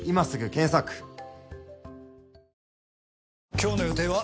今日の予定は？